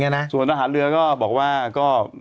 แกบอกว่าไอ้นั่นคือคดีว่าไป